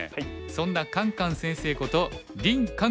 そんなカンカン先生こと林漢